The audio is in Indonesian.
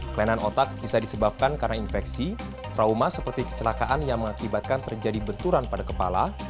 kelainan otak bisa disebabkan karena infeksi trauma seperti kecelakaan yang mengakibatkan terjadi benturan pada kepala